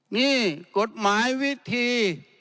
นี่กฎหมายวิธี